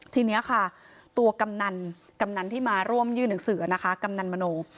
ทีนี้ค่ะตัวกำนันกำนันที่มาร่วมยื่นหนังสือนะคะกำนันมโน